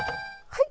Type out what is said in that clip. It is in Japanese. はい。